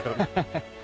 ハハハ。